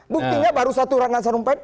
buktinya baru satu ratna sarumpait